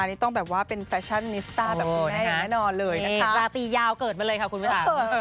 จำเป็นต้อง